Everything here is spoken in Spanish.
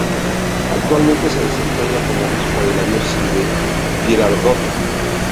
Actualmente se desempeña como Obispo de la Diócesis de Girardota.